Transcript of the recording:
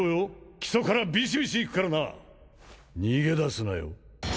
基礎からビシビシいくからな逃げ出すなよ